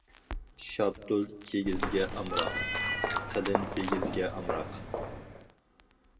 شاپتۇل كىگىزگە ئامراق، قېلىن بىگىزگە ئامراق.